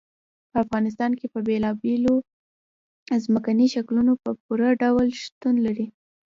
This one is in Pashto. په افغانستان کې بېلابېل ځمکني شکلونه په پوره ډول شتون لري.